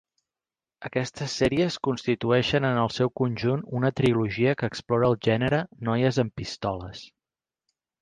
Aquestes sèries constitueixen en el seu conjunt una trilogia que explora el gènere "noies amb pistoles".